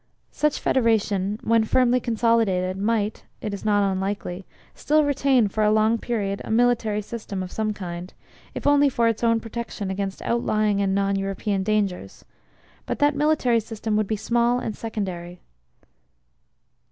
Such Federation when firmly consolidated might, it is not unlikely, still retain for a long period a military system, of some kind, if only for its own protection against outlying and non European dangers; but that military system would be small and secondary.